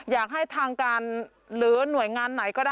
อยากให้ทางการหรือหน่วยงานไหนก็ได้